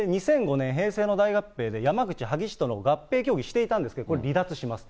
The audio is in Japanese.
２００５年、平成の大合併で山口・萩市との合併協議していたんですけれども、離脱します。